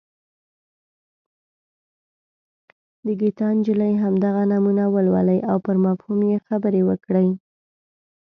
د ګیتا نجلي همدغه نمونه ولولئ او پر مفهوم یې خبرې وکړئ.